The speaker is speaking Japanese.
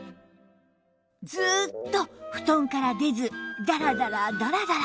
ずーっと布団から出ずダラダラダラダラ